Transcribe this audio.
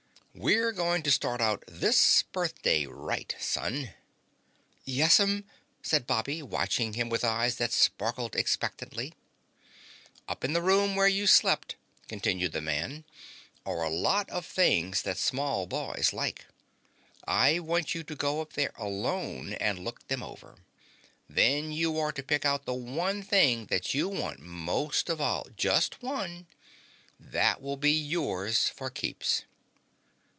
"We're going to start out this birthday right, son." "Yes'm," said Bobby, watching him with eyes that sparkled expectantly. "Up in the room where you slept," continued the man, "are a lot of things that small boys like. I want you to go up there alone and look them over. Then you are to pick out the one thing that you want most of all just one. That will be yours for keeps."